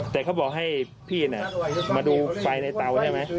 แต่เขาบอกให้พี่มาดูไฟในเตาใช่ไหม